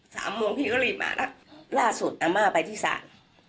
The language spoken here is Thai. สามโมงพี่ก็รีบมาแล้วล่าสุดอาม่าไปที่ศาล